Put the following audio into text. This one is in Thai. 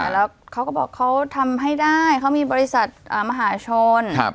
แล้วเขาก็บอกเขาทำให้ได้เขามีบริษัทมหาชน